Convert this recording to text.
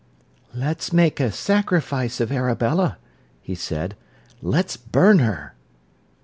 "Let's make a sacrifice of Arabella," he said. "Let's burn her."